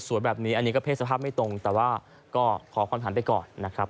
แบบนี้อันนี้ก็เพศสภาพไม่ตรงแต่ว่าก็ขอพรผ่านไปก่อนนะครับ